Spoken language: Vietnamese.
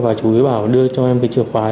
và chú ấy bảo đưa cho em cái chìa khóa